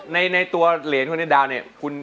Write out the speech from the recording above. ในตัวเหรียญคนเดียวดาวเนี่ย